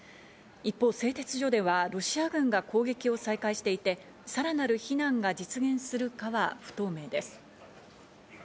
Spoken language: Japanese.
一方、製鉄所ではロシア軍が攻撃を再開していて、さらなる避難が実現するかは不透明です。